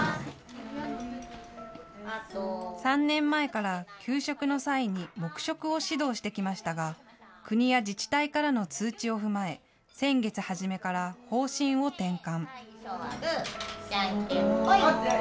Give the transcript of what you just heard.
３年前から給食の際に黙食を指導してきましたが国や自治体からの通知を踏まえ先月初めから方針を転換。